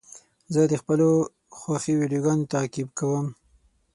زه د خپلو خوښې ویډیوګانو تعقیب کوم.